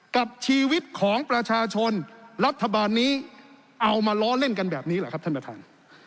กับชีวิตของประชาชนรัฐบาลนี้เอามาล้อเล่นกันแบบนี้เหรอครับท่านประธาน